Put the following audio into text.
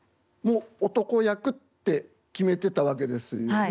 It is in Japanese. もう男役って決めてたわけですよね。